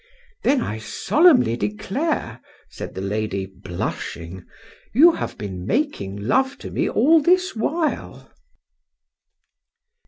— Then I solemnly declare, said the lady, blushing, you have been making love to me all this while.